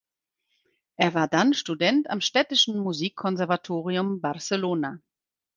Er war dann Student am Städtischen Musikkonservatorium Barcelona.